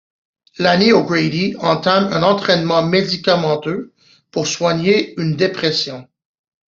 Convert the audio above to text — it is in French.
Lani O'Grady entame un traitement médicamenteux pour soigner une dépression.